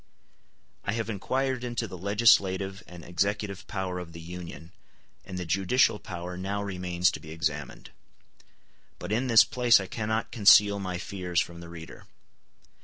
I have inquired into the legislative and executive power of the Union, and the judicial power now remains to be examined; but in this place I cannot conceal my fears from the reader.